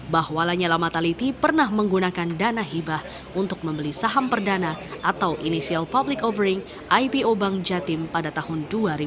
bahwa lanyala mataliti pernah menggunakan dana hibah untuk membeli saham perdana atau inisial public offering ipo bank jatim pada tahun dua ribu dua